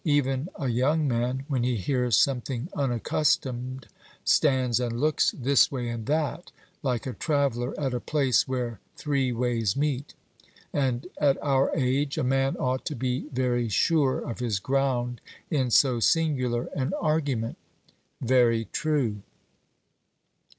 Even a young man, when he hears something unaccustomed, stands and looks this way and that, like a traveller at a place where three ways meet; and at our age a man ought to be very sure of his ground in so singular an argument. 'Very true.'